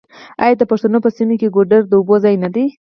آیا د پښتنو په سیمو کې ګودر د اوبو ځای نه دی؟